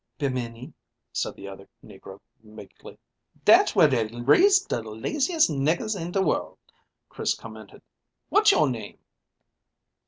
"Bimini," said the other negro meekly. "Dat's where dey raise de laziest niggers in de world," Chris commented. "What's your name?"